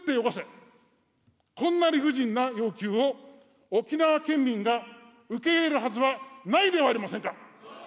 こんな理不尽な要求を沖縄県民が受け入れるはずはないではありませんか。